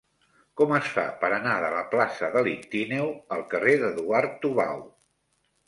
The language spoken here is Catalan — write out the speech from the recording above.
Com es fa per anar de la plaça de l'Ictíneo al carrer d'Eduard Tubau?